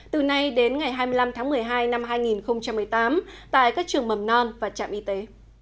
từ nay đến ngày hai mươi năm tháng một mươi hai năm hai nghìn một mươi tám tại các trường mầm non và trạm y tế